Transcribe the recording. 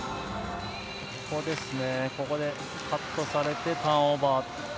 ここでカットされてターンオーバー。